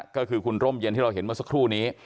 ก็คือคุณร่มเย็นที่เราเห็นเมื่อสักครู่นี้